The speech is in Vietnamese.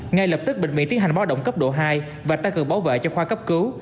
ngay lập tức bệnh viện tiến hành báo động cấp độ hai và tăng cường bảo vệ cho khoa cấp cứu